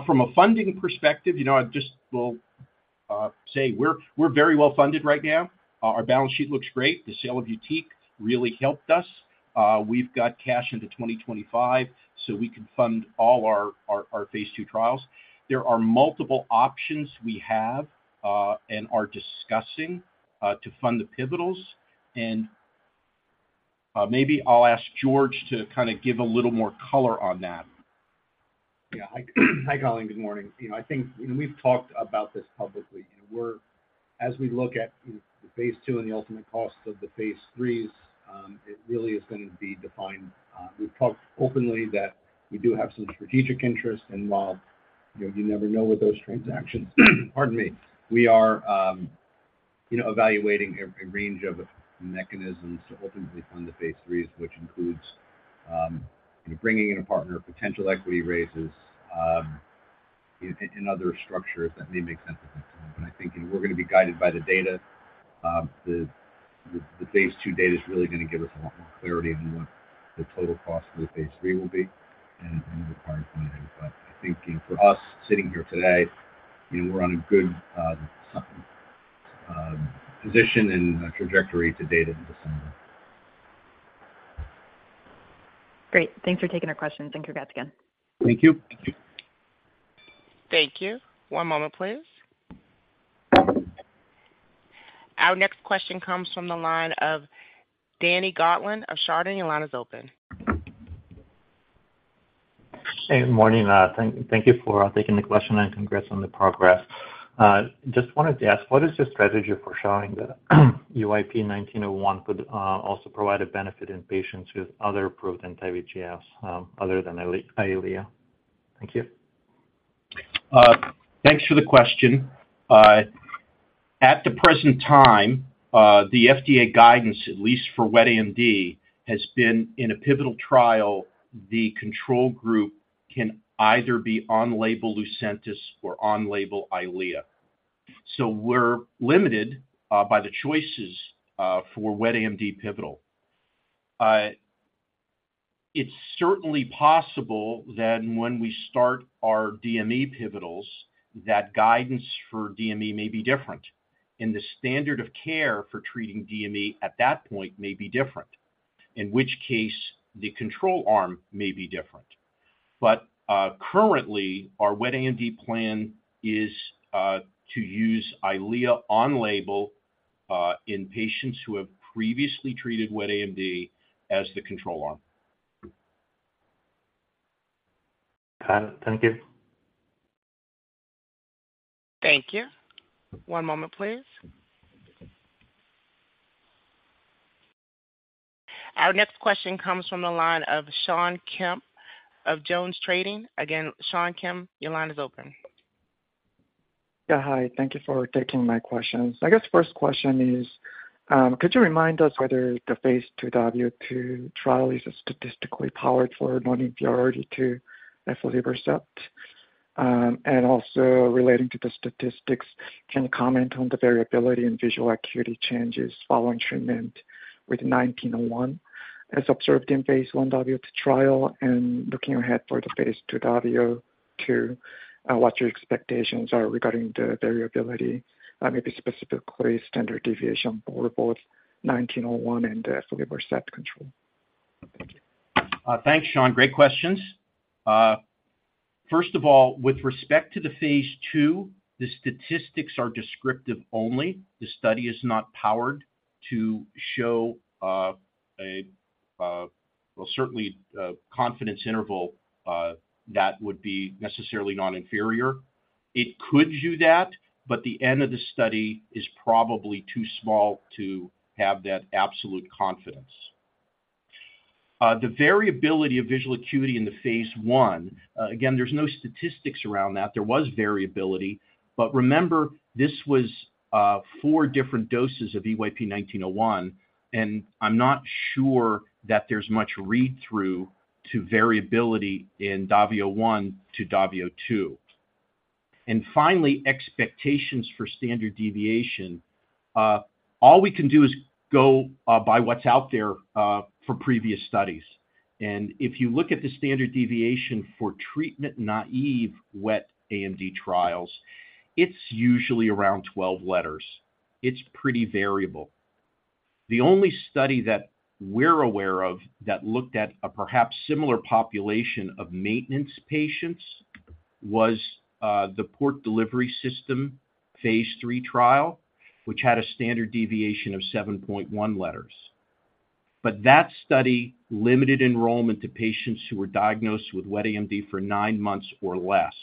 Speaker 3: From a funding perspective, you know, I just will say we're, we're very well funded right now. Our balance sheet looks great. The sale of YUTIQ really helped us. We've got cash into 2025, so we can fund all our, our, phase II trials. There are multiple options we have and are discussing to fund the pivotals, and maybe I'll ask George to kind of give a little more color on that.
Speaker 2: Yeah. Hi, Colleen. Good morning. You know, I think, you know, we've talked about this publicly, and we're as we look at phase II and the ultimate costs phase III, it really is going to be defined. We've talked openly that we do have some strategic interest, and while, you know, you never know with those transactions, pardon me, we are, you know, evaluating a range of mechanisms to ultimately phase IIIs, which includes, bringing in a partner, potential equity raises, and other structures that may make sense at this time. I think, you know, we're going to be guided by the data. phase II data is really going to give us a lot more clarity on what the total cost phase III will be and require funding. I think, you know, for us sitting here today, you know, we're on a good position and trajectory to date and to decide.
Speaker 7: Great. Thanks for taking our questions, and congrats again.
Speaker 3: Thank you.
Speaker 1: Thank you. One moment, please. Our next question comes from the line of Daniil Gataullin of Chardan. Your line is open.
Speaker 8: Hey, good morning. Thank, thank you for taking the question. Congrats on the progress. Just wanted to ask, what is your strategy for showing the EYP-1901 could also provide a benefit in patients with other approved anti-VEGFs, other than Eylea? Thank you.
Speaker 3: Thanks for the question. At the present time, the FDA guidance, at least for wet AMD, has been in a pivotal trial, the control group can either be on-label Lucentis or on-label Eylea. We're limited by the choices for wet AMD pivotal. It's certainly possible that when we start our DME pivotals, that guidance for DME may be different, and the standard of care for treating DME at that point may be different, in which case, the control arm may be different. Currently, our wet AMD plan is to use Eylea on label in patients who have previously treated wet AMD as the control arm.
Speaker 8: Got it. Thank you.
Speaker 1: Thank you. One moment, please. Our next question comes from the line of Sean Kemp of Jones Trading. Again, Sean Kemp, your line is open.
Speaker 9: Yeah, hi. Thank you for taking my questions. I guess first question is, could you remind us whether phase II DAVIO 2 trial is statistically powered for non-inferiority to aflibercept? Also relating to the statistics, can you comment on the variability in visual acuity changes following treatment with EYP-1901 as observed in phase I DAVIO trial and looking ahead for phase II DAVIO 2, what your expectations are regarding the variability, maybe specifically standard deviation for both EYP-1901 and the Lucentis control? Thank you.
Speaker 3: Thanks, Sean. Great questions. First of all, with respect to phase II, the statistics are descriptive only. The study is not powered to show a, well, certainly, confidence interval that would be necessarily non-inferior. It could do that, but the end of the study is probably too small to have that absolute confidence. The variability of visual acuity in the phase I, again, there's no statistics around that. There was variability, but remember, this was four different doses of EYP-1901, and I'm not sure that there's much read-through to variability in DAVIO 1 to DAVIO 2. Finally, expectations for standard deviation. All we can do is go by what's out there for previous studies. If you look at the standard deviation for treatment-naive wet AMD trials, it's usually around 12 letters. It's pretty variable. The only study that we're aware of that looked at a perhaps similar population of maintenance patients was the Port Delivery phase III trial, which had a standard deviation of seven point one letters. That study limited enrollment to patients who were diagnosed with wet AMD for nine months or less.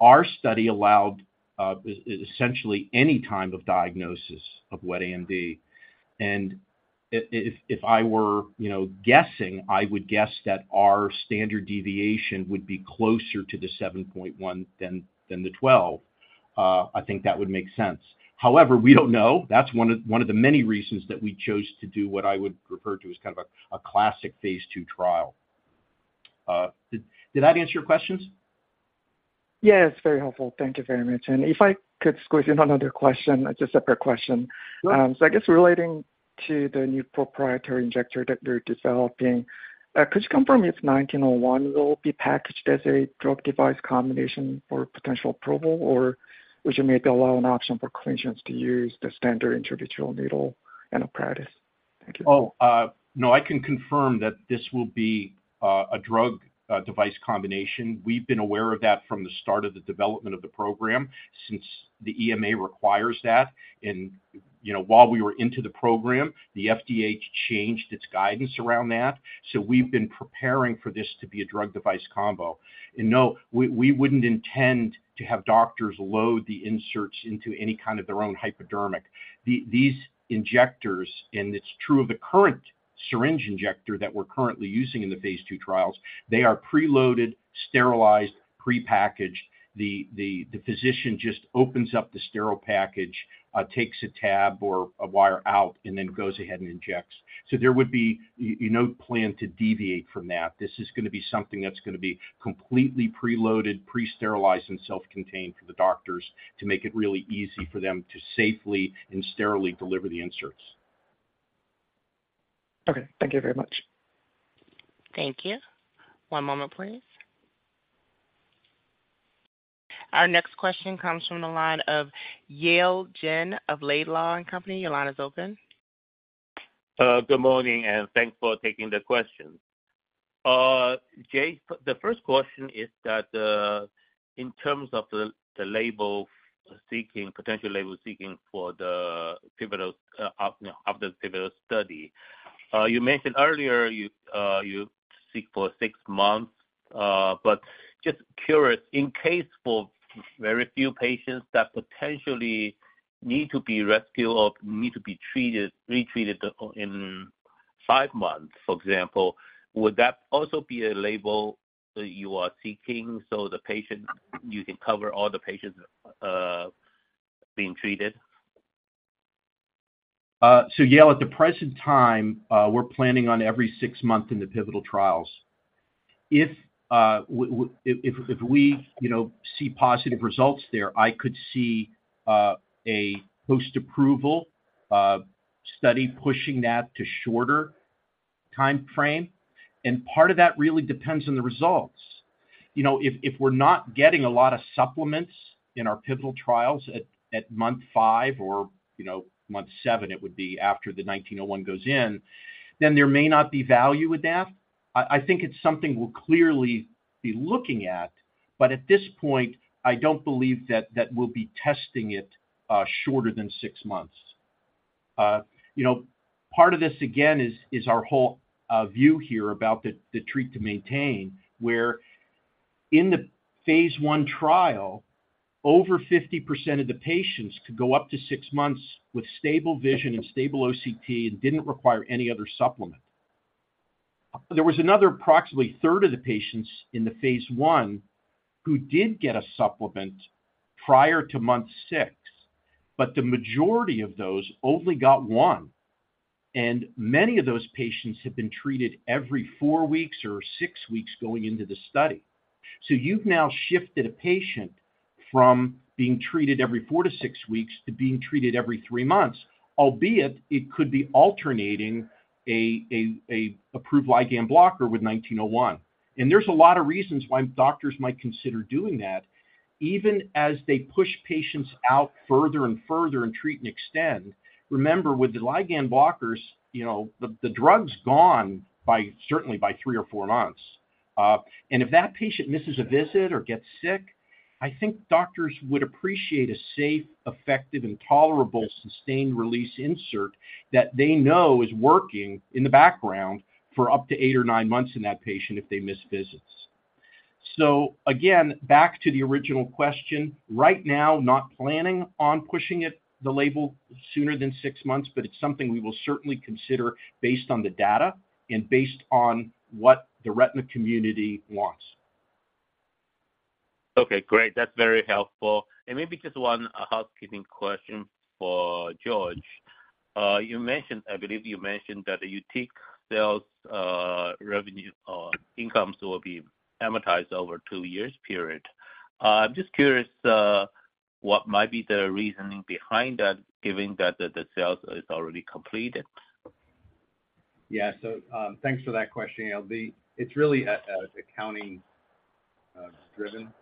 Speaker 3: Our study allowed e- essentially any time of diagnosis of wet AMD, and i- if, if I were, you know, guessing, I would guess that our standard deviation would be closer to the seven point one than, than the 12. I think that would make sense. We don't know. That's one of, one of the many reasons that we chose to do what I would refer to as kind of a, a classic phase II trial. Did, did I answer your questions?
Speaker 9: Yes, very helpful. Thank you very much. If I could squeeze in another question, just a separate question.
Speaker 3: Sure.
Speaker 9: I guess relating to the new proprietary injector that you're developing, could you confirm if 1901 will be packaged as a drug-device combination for potential approval, or would you maybe allow an option for clinicians to use the standard intravitreal needle and apparatus? Thank you.
Speaker 3: No, I can confirm that this will be a drug-device combination. We've been aware of that from the start of the development of the program, since the EMA requires that. You know, while we were into the program, the FDA changed its guidance around that, so we've been preparing for this to be a drug device combo. No, we wouldn't intend to have doctors load the inserts into any kind of their own hypodermic. These injectors, and it's true of the current syringe injector that we're currently using in the phase II trials, they are preloaded, sterilized, prepackaged. The physician just opens up the sterile package, takes a tab or a wire out, and then goes ahead and injects. There would be no plan to deviate from that. This is gonna be something that's gonna be completely preloaded, pre-sterilized, and self-contained for the doctors to make it really easy for them to safely and sterily deliver the inserts.
Speaker 9: Okay. Thank you very much.
Speaker 1: Thank you. One moment, please. Our next question comes from the line of Yale Jen of Laidlaw & Company. Your line is open.
Speaker 10: Good morning, and thanks for taking the question. Jay, the first question is that, in terms of the label seeking, potential label seeking for the pivotal, of the pivotal study, you mentioned earlier you, you seek for six months. Just curious, in case for very few patients that potentially need to be rescue or need to be treated, retreated in five months, for example, would that also be a label that you are seeking so the patient, you can cover all the patients being treated?
Speaker 3: Yale, at the present time, we're planning on every six months in the pivotal trials. If we, you know, see positive results there, I could see a post-approval study pushing that to shorter timeframe, and part of that really depends on the results. You know, if we're not getting a lot of supplements in our pivotal trials at month five or, you know, month seven, it would be after the EYP-1901 goes in. There may not be value with that. I, I think it's something we'll clearly be looking at, but at this point, I don't believe that, that we'll be testing it shorter than six months. You know, part of this, again, is, is our whole view here about the treat to maintain, where in the phase I trial, over 50% of the patients could go up to six months with stable vision and stable OCT and didn't require any other supplement. There was another approximately 1/3 of the patients in the phase I who did get a supplement prior to month six, but the majority of those only got one, and many of those patients had been treated every four weeks or six weeks going into the study. You've now shifted a patient from being treated every four-six weeks to being treated every three months, albeit it could be alternating an approved ligand blocker with EYP-1901. There's a lot of reasons why doctors might consider doing that, even as they push patients out further and further in treat and extend. Remember, with the receptor antagonist, you know, the, the drug's gone by certainly by three or four months. And if that patient misses a visit or gets sick, I think doctors would appreciate a safe, effective, and tolerable sustained-release insert that they know is working in the background for up to eight or nine months in that patient if they miss visits. Again, back to the original question, right now, not planning on pushing it, the label, sooner than six months, but it's something we will certainly consider based on the data and based on what the retina community wants.
Speaker 10: Okay, great. That's very helpful. Maybe just one housekeeping question for George. You mentioned, I believe you mentioned that the YUTIQ sales, revenue or incomes will be amortized over two years period. I'm just curious, what might be the reasoning behind that, given that the sales is already completed?
Speaker 2: Yeah. Thanks for that question. It'll be. It's really accounting driven,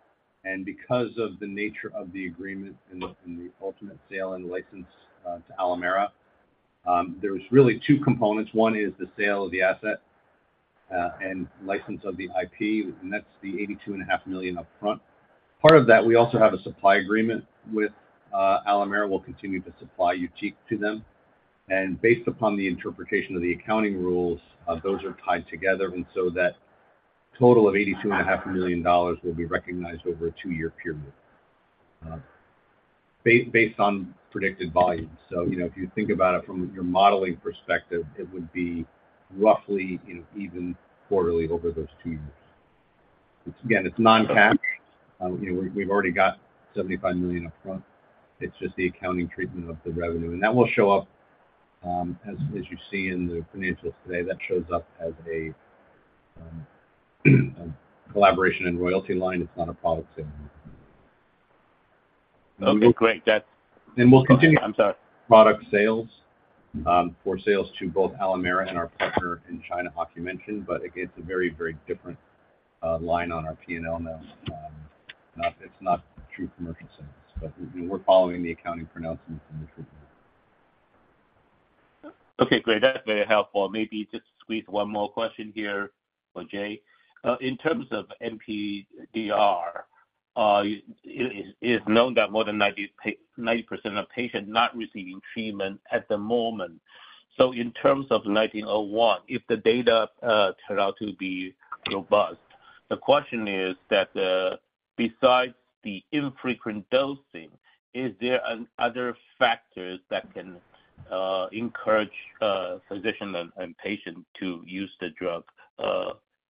Speaker 2: and because of the nature of the agreement and the ultimate sale and license to Alimera, there's really two components. One is the sale of the asset and license of the IP, and that's the $82.5 million upfront. Part of that, we also have a supply agreement with Alimera. We'll continue to supply YUTIQ to them. Based upon the interpretation of the accounting rules, those are tied together, and so that total of $82.5 million will be recognized over a two year period based on predicted volumes. You know, if you think about it from your modeling perspective, it would be roughly, you know, even quarterly over those two years. It's, again, it's non-cash. You know, we've already got $75 million upfront. It's just the accounting treatment of the revenue. That will show up, as, as you see in the financials today, that shows up as a, a collaboration and royalty line. It's not a product sale.
Speaker 10: Okay, great. That-
Speaker 2: We'll continue, I'm sorry, product sales, for sales to both Alimera and our partner in China, Ocumension, but it's a very, very different line on our P&L now. It's not true commercial sales, but we're following the accounting pronouncements and the treatment.
Speaker 10: Okay, great. That's very helpful. Maybe just squeeze one more question here for Jay. In terms of NPDR, it is, it is known that more than 90, 90% of patients not receiving treatment at the moment. In terms of EYP-1901, if the data turn out to be robust, the question is that besides the infrequent dosing, is there an other factors that can encourage physician and, and patient to use the drug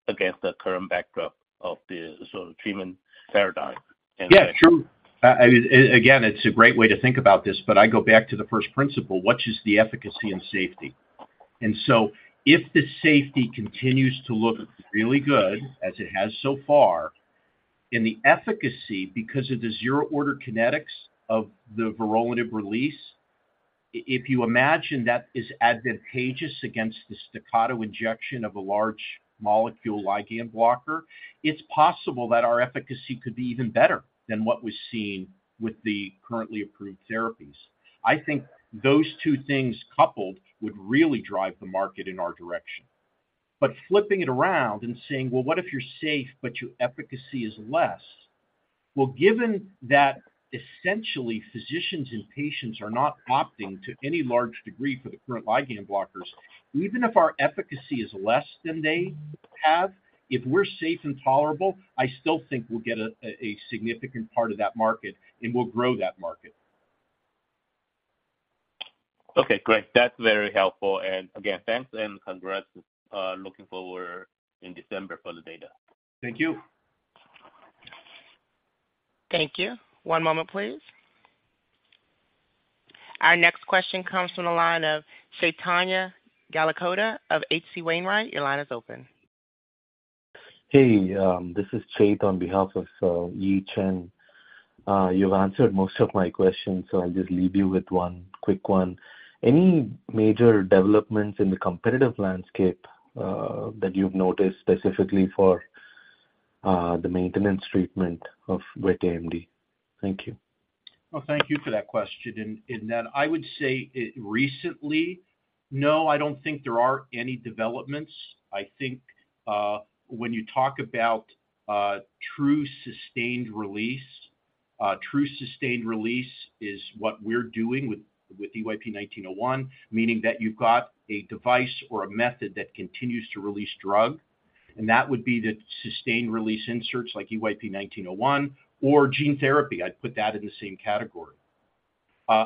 Speaker 10: against the current backdrop of the sort of treatment paradigm?
Speaker 3: Yeah, sure. I mean, again, it's a great way to think about this, but I go back to the first principle, which is the efficacy and safety. So if the safety continues to look really good, as it has so far, and the efficacy, because of the zero-order kinetics of the vorolanib release, if you imagine that is advantageous against the staccato injection of a large molecule ligand blocker, it's possible that our efficacy could be even better than what we've seen with the currently approved therapies. I think those two things coupled would really drive the market in our direction. Flipping it around and saying, well, what if you're safe, but your efficacy is less? Well, given that essentially, physicians and patients are not opting to any large degree for the current receptor antagonist, even if our efficacy is less than they have, if we're safe and tolerable, I still think we'll get a significant part of that market, and we'll grow that market.
Speaker 10: Okay, great. That's very helpful. Again, thanks and congrats. Looking forward in December for the data.
Speaker 3: Thank you.
Speaker 1: Thank you. One moment, please. Our next question comes from the line of Chaitanya Gollakota of H.C. Wainwright. Your line is open.
Speaker 11: Hey, this is Chait on behalf of Yi Chen. You've answered most of my questions, I'll just leave you with one quick one. Any major developments in the competitive landscape that you've noticed specifically for the maintenance treatment of wet AMD? Thank you.
Speaker 3: Well, thank you for that question. Then I would say, recently, no, I don't think there are any developments. I think, when you talk about true sustained release, true sustained release is what we're doing with EYP-1901, meaning that you've got a device or a method that continues to release drug, and that would be the sustained release inserts like EYP-1901 or gene therapy. I'd put that in the same category.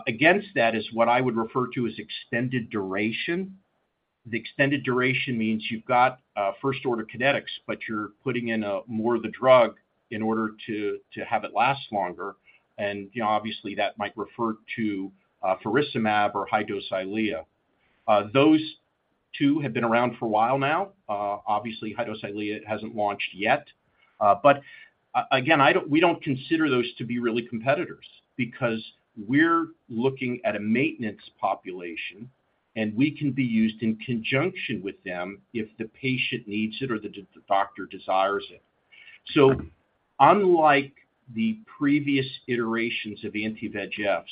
Speaker 3: Against that is what I would refer to as extended duration. The extended duration means you've got first-order kinetics, but you're putting in more of the drug in order to, to have it last longer. You know, obviously, that might refer to faricimab or high-dose Eylea. Those two have been around for a while now. Obviously, high-dose Eylea hasn't launched yet. But again, I don't, we don't consider those to be really competitors because we're looking at a maintenance population, and we can be used in conjunction with them if the patient needs it or the doctor desires it. Unlike the previous iterations of anti-VEGFs,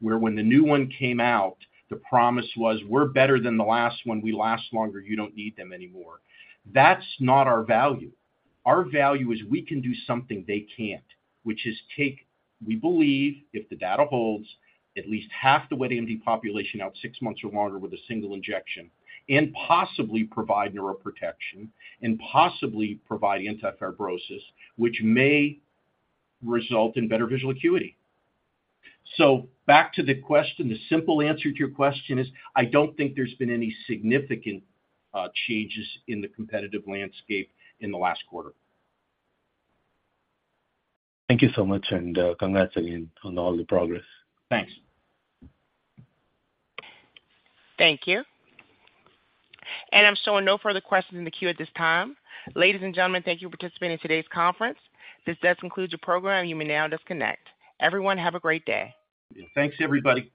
Speaker 3: where when the new one came out, the promise was: We're better than the last one, we last longer, you don't need them anymore. That's not our value. Our value is we can do something they can't, which is take, we believe, if the data holds, at least half the wet AMD population out six months or longer with a single injection, and possibly provide neuroprotection, and possibly provide anti-fibrosis, which may result in better visual acuity. Back to the question, the simple answer to your question is, I don't think there's been any significant changes in the competitive landscape in the last quarter.
Speaker 11: Thank you so much, and, congrats again on all the progress.
Speaker 3: Thanks.
Speaker 1: Thank you. I'm showing no further questions in the queue at this time. Ladies and gentlemen, thank you for participating in today's conference. This does conclude your program. You may now disconnect. Everyone, have a great day.
Speaker 3: Thanks, everybody.